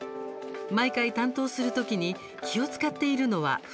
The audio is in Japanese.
毎回、担当する時に気を遣っているのは服装です。